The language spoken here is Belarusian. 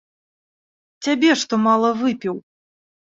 Цябе, што мала выпіў.